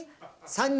３人？